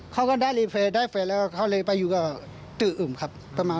เขาก็ได้รีเฟสได้รีเฟสแล้วเขาเลยไปอยู่กับตึกอื่มครับ